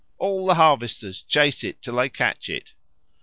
All the harvesters chase it till they catch it.